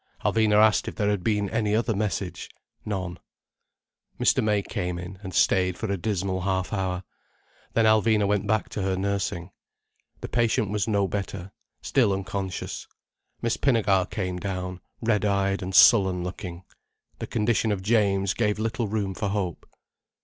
Alvina asked if there had been any other message. None. Mr. May came in, and stayed for a dismal half hour. Then Alvina went back to her nursing. The patient was no better, still unconscious. Miss Pinnegar came down, red eyed and sullen looking. The condition of James gave little room for hope.